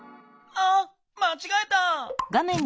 あっまちがえた！